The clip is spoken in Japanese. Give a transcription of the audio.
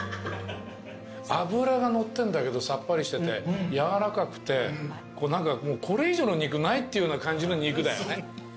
脂が乗ってんだけどさっぱりしててやわらかくてこれ以上の肉ないっていうような感じの肉だよね。